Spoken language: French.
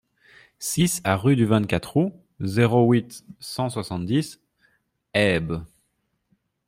six A rue du vingt-quatre Août, zéro huit, cent soixante-dix, Haybes